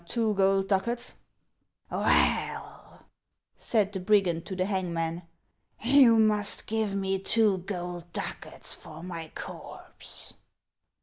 " Two gold ducats." HANS OF ICELAND. 503 " Well," said the brigand to the hangman, " you must give me two gold ducats for my corpse."